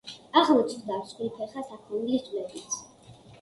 აღმოჩნდა მსხვილფეხა საქონლის ძვლებიც.